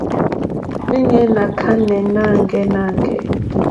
Òrzìɲɛ́ ná kánɛ̀ nâŋɡɛ́nâŋɡɛ̂.